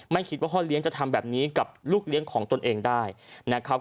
คิดว่าพ่อเลี้ยงจะทำแบบนี้กับลูกเลี้ยงของตนเองได้นะครับ